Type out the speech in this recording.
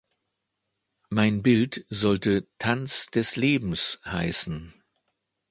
Mein Bild sollte Tanz des Lebens heißen!